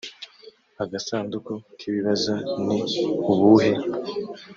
agasanduku k ibibazo ni ubuhe